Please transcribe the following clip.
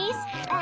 あ。